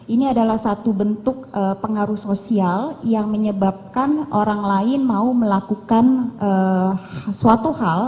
ini adalah satu bentuk pengaruh sosial yang menyebabkan orang lain mau melakukan suatu hal